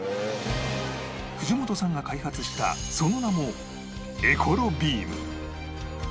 藤本さんが開発したその名もエコロビーム